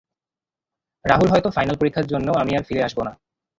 রাহুল হয়তো ফাইনাল পরীক্ষার জন্যে ও আমি আর ফিরে আসবো না।